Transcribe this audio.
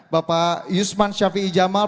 bapak yusman syafi ijamal